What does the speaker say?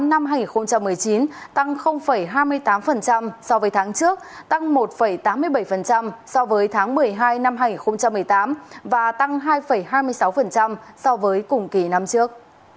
tăng hai mươi tám so với tháng trước tăng một tám mươi bảy so với tháng một mươi hai năm hai nghìn một mươi tám và tăng hai hai mươi sáu so với cùng kỳ năm trước